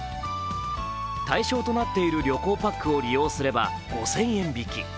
対象となっている旅行パックを利用すれば５０００円引き。